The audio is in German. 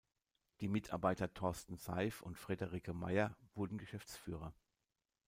Die Mitarbeiter Thorsten Seif und Friederike Meyer wurden Geschäftsführer.